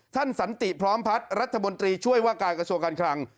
สันติพร้อมพัฒน์รัฐมนตรีช่วยว่าการกระทรวงการคลัง